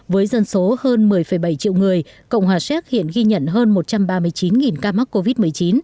với dân số hơn một mươi bảy triệu người cộng hòa séc hiện ghi nhận hơn một trăm ba mươi chín ca mắc covid một mươi chín